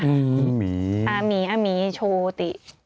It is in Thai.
อาหมีอาหมีอาหมีโชติ